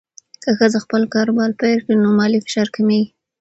که ښځه خپل کاروبار پیل کړي، نو مالي فشار کمېږي.